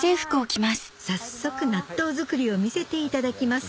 早速納豆作りを見せていただきます